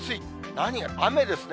何が、雨ですね。